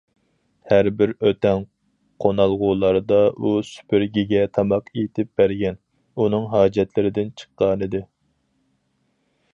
ھەر بىر ئۆتەڭ قونالغۇلاردا ئۇ سۈپۈرگىگە تاماق ئېتىپ بەرگەن، ئۇنىڭ ھاجەتلىرىدىن چىققانىدى.